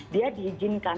dia tidak diizinkan